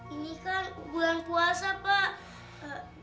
ini kan bulan puasa pak